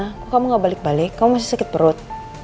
aku kamu gak balik balik kamu masih sakit perut